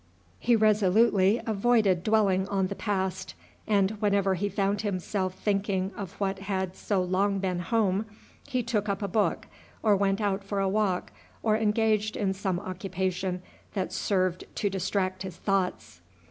He resolutely avoided dwelling on the past, and whenever he found himself thinking of what had so long been home, he took up a book, or went out for a walk, or engaged in some occupation that served to distract his thoughts.